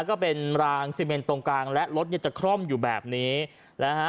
ก็เป็นรางซีเมนตรงกลางและรถเนี่ยจะคล่อมอยู่แบบนี้นะฮะ